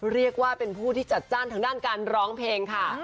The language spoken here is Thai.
เรียกว่าเป็นผู้ที่จัดจ้านทางด้านการร้องเพลงค่ะ